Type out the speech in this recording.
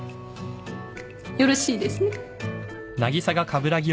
よろしいですね？